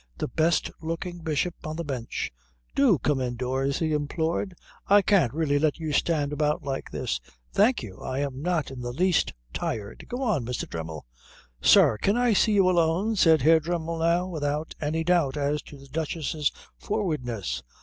The best looking bishop on the bench " "Do come indoors," he implored. "I can't really let you stand about like this " "Thank you, I'm not in the least tired. Go on, Mr. Dremmel." "Sir, can I see you alone?" said Herr Dremmel, now without any doubt as to the Duchess's forwardness.